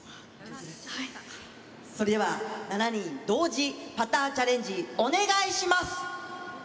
それでは７人同時パターチャレンジ、お願いします。